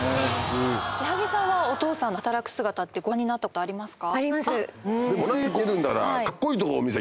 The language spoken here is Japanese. こちらはそこで矢作さんはお父さんの働く姿ってご覧になったことありますか？